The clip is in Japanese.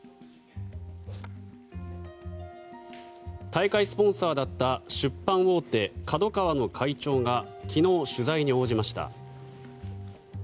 大会スポンサーだった出版大手ＫＡＤＯＫＡＷＡの会長が昨日、取材に応じました。